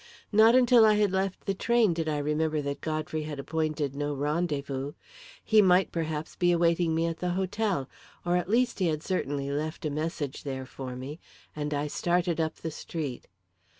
Not until I had left the train did I remember that Godfrey had appointed no rendezvous. He might, perhaps, be awaiting me at the hotel, or, at least, he had certainly left a message there for me, and I started up the street.